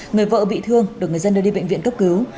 người vợ bị thương được người dân đưa đi bệnh viện cấp cứu